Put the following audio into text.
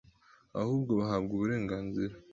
ahubwo bahabwa uburenganzira